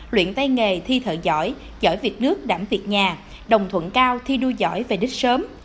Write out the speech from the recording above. luyện tay nghề thi thợ giỏi chở việc nước đảm việc nhà đồng thuận cao thi đua giỏi về đích sớm